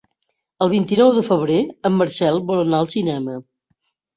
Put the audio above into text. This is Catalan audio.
El vint-i-nou de febrer en Marcel vol anar al cinema.